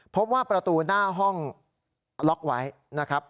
พบว่าประตูหน้าห้องล็อกไว้นะครับ